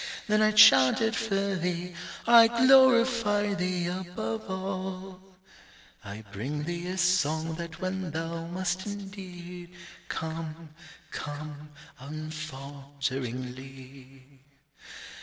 Then I chant it for thee, I glorify thee above all, I bring thee a song that when thou must indeed come, come unfalteringly.